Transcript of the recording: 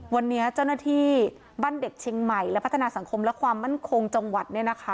วันนี้เจ้าหน้าที่บ้านเด็กเชียงใหม่และพัฒนาสังคมและความมั่นคงจังหวัดเนี่ยนะคะ